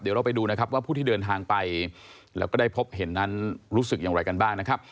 เดี๋ยวเราไปดูนะครับว่าผู้ที่เดินทางไปแล้วก็ได้พบเห็นนั้นรู้สึกอย่างไรกันบ้างนะครับ